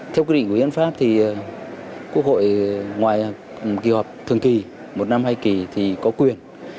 theo quy định của hiến pháp thì quốc hội ngoài kỳ họp thường kỳ một năm hai kỳ thì có quyền